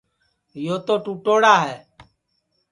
یو تو ٹُوٹوڑا ہے